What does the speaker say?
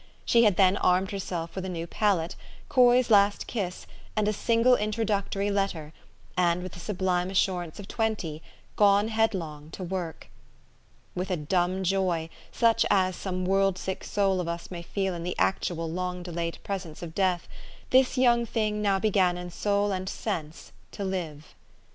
She had then armed herself with a new palette, Coy's last kiss, and a single introductory letter, and, with the sublime assurance of twenty, gone headlong to work. With a dumb joy, such as some world sick soul of us may feel in the actual, long delayed presence of death, this young thing now began in soul and sense to live.